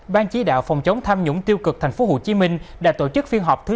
ban chí đạo phòng chống tham nhũng tiêu cực tp hcm đã tổ chức phiên họp thứ sáu